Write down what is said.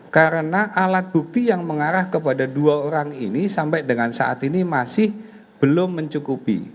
karena alat bukti yang mengarah kepada dua orang ini sampai dengan saat ini masih belum mencukupi